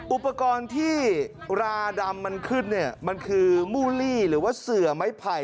อุปกรณ์ที่ราดำมันขึ้นเนี่ยมันคือมูลลี่หรือว่าเสือไม้ไผ่